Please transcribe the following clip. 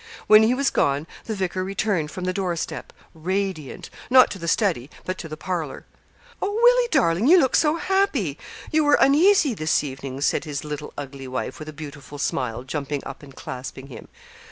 When he was gone the vicar returned from the door step, radiant not to the study but to the parlour. 'Oh, Willie, darling, you look so happy you were uneasy this evening,' said his little ugly wife, with a beautiful smile, jumping up and clasping him.